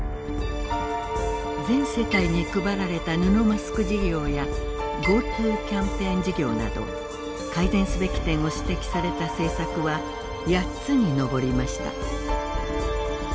全世帯に配られた布マスク事業やＧｏＴｏキャンペーン事業など改善すべき点を指摘された政策は８つに上りました。